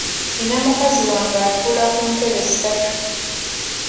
Nnina mukazi wange atuula ku ntebe ssatu.